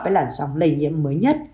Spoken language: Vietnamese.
với làn sóng lây nhiễm mới nhất